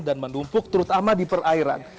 dan mendumpuk terutama di perairan